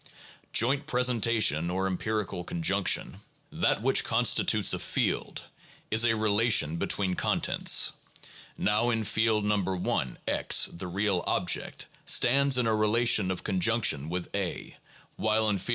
Joint presentation or empirical conjunction, that which constitutes a field, is a relation between contents. Now in field No. I X [the real object] stands in a relation of conjunction with A, while in field No.